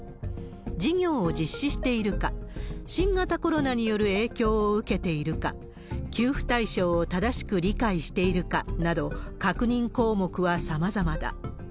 事業を実施しているか、新型コロナによる影響を受けているか、給付対象を正しく理解しているかなど、確認項目はさまざまだ。